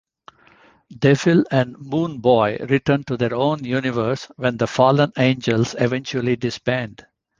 Devil and Moon-Boy return to their own universe when the Fallen Angels eventually disband.